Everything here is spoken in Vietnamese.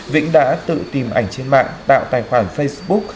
vĩnh đã tự tìm ảnh trên mạng tạo tài khoản facebook